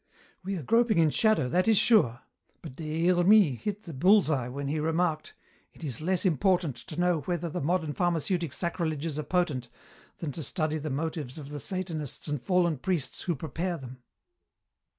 "We are groping in shadow, that is sure. But Des Hermies hit the bull's eye when he remarked, 'It is less important to know whether the modern pharmaceutic sacrileges are potent, than to study the motives of the Satanists and fallen priests who prepare them.'